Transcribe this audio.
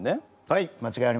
はい。